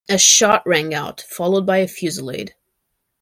A shot rang out, followed by a fusillade.